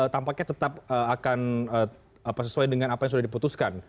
tampaknya tetap akan sesuai dengan apa yang sudah diputuskan